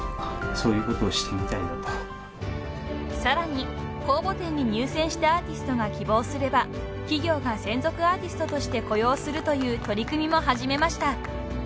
［さらに公募展に入選したアーティストが希望すれば企業が専属アーティストとして雇用するという取り組みも始めました］